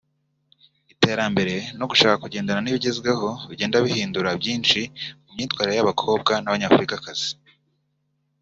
iterambere no gushaka kugendana n’ibigezweho bigenda bihindura byinshi ku myambarire y’abakobwa b’abanyafurikakazi